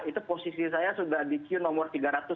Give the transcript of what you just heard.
itu posisi saya sudah di queue nomor tiga ratus tujuh puluh tujuh